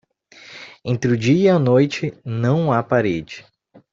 Entre o dia e a noite, não há parede.